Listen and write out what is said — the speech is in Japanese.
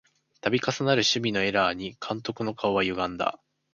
たび重なる守備のエラーに監督の顔はゆがんだ